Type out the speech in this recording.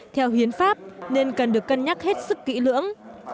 theo hiến pháp nên cần được cân nhắc hết sức kỹ lưỡng